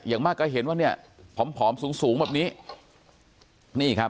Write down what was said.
อย่างมากก็เห็นว่าเนี่ยผอมผอมสูงสูงแบบนี้นี่ครับ